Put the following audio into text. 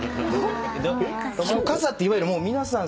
傘っていわゆる皆さん